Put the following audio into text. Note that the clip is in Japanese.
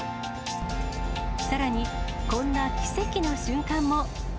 さらに、こんな奇跡の瞬間も。